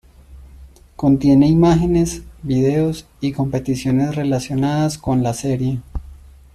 Contiene imágenes, videos y competiciones relacionadas con la serie.